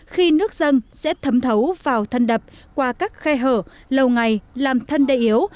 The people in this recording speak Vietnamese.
khi nước dân sẽ thấm thấu vào thân đập qua các khai hở lâu ngày làm thân đầy yếu